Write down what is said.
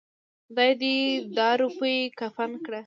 خداى دې دا روپۍ کفن کړه.